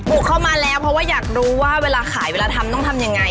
เข้ามาแล้วเพราะว่าอยากรู้ว่าเวลาขายเวลาทำต้องทำยังไง